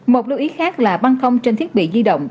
một lưu ý khác là băng không trên thiết bị di động